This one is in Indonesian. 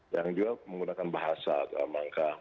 yang juga menggunakan bahasa mangka